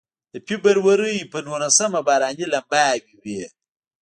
د فبروري په نولسمه باراني لمباوې وې.